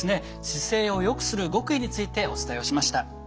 姿勢をよくする極意についてお伝えをしました。